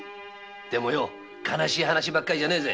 でも悲しい話ばっかりじゃねえぜ。